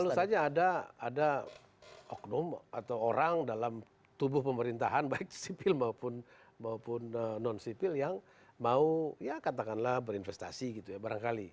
tentu saja ada oknum atau orang dalam tubuh pemerintahan baik sipil maupun non sipil yang mau ya katakanlah berinvestasi gitu ya barangkali